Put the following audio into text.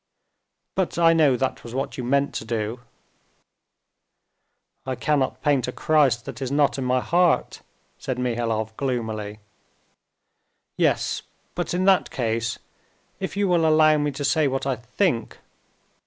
But I know that was what you meant to do." "I cannot paint a Christ that is not in my heart," said Mihailov gloomily. "Yes; but in that case, if you will allow me to say what I think....